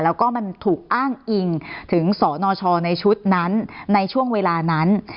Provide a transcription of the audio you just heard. แล้วก็มันถูกอ้างอิงถึงสนชในชุดนั้นในช่วงเวลานั้น